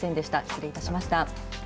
失礼いたしました。